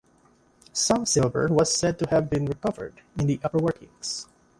Some silver was said to have been recovered in the upper workings.